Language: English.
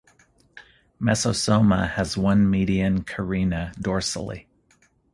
Mesosoma has one median carina dorsally.